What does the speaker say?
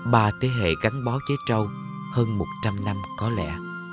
ba thế hệ gắn bó chế trâu hơn một trăm linh năm có lẽ